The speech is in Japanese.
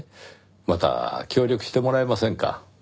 また協力してもらえませんか？